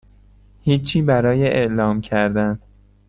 هیچی برای اعلام کردن